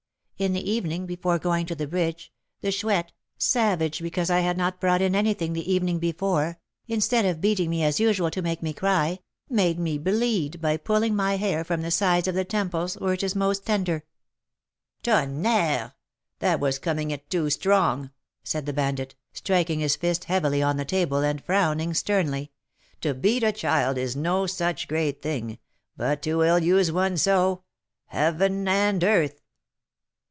In the evening, before going to the bridge, the Chouette, savage because I had not brought in anything the evening before, instead of beating me as usual to make me cry, made me bleed by pulling my hair from the sides of the temples, where it is most tender." "Tonnerre! that was coming it too strong," said the bandit, striking his fist heavily on the table, and frowning sternly. "To beat a child is no such great thing, but to ill use one so Heaven and earth!"